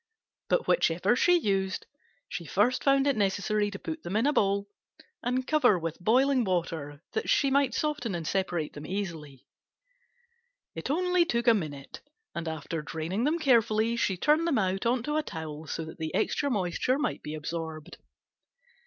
But whichever she used, she first found it necessary to put them in a bowl and cover with boiling water that she might soften and separate them easily. It only took a minute, and after draining them carefully she turned them out on a towel so that the extra moisture might be absorbed.